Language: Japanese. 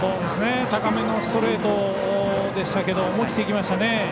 高めのストレートでしたが思い切っていきましたね。